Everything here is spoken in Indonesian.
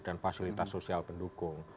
dan fasilitas sosial pendukung